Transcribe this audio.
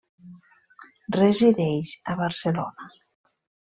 Resideix a Barcelona.